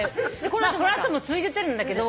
この後も続いてるんだけど。